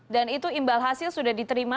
dan itu imbal hasil sudah dikirimkan